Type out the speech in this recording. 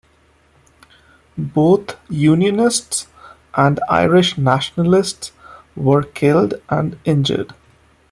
Both unionists and Irish nationalists were killed and injured.